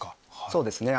そうですね。